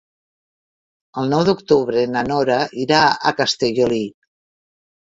El nou d'octubre na Nora irà a Castellolí.